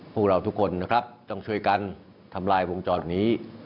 พวกเราทุกคนนะครับต้องช่วยกันทำลายวงจรนี้